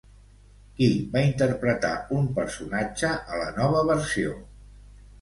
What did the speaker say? Qui va interpretar un personatge a la nova versió?